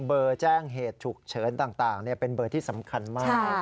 แจ้งเหตุฉุกเฉินต่างเป็นเบอร์ที่สำคัญมาก